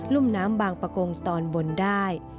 ุ่มน้ำบางประกงตอนบนได้